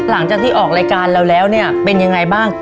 หลังจากที่ออกรายการเราแล้วเนี่ยเป็นยังไงบ้าง